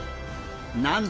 なんと！